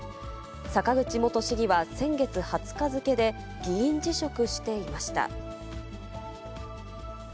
坂口元市議は先月２０日付で議員辞職していました。